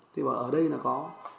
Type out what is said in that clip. thì bảo ở đây là có